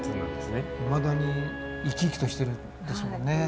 いまだに生き生きとしてるんですもんね。